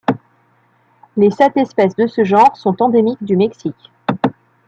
Les sept espèces de ce genre sont endémiques du Mexique.